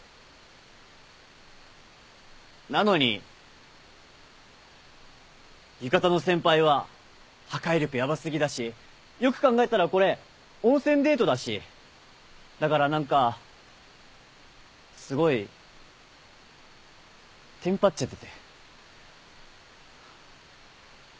なのに浴衣の先輩は破壊力ヤバ過ぎだしよく考えたらこれ温泉デートだしだから何かすごいテンパっちゃってて。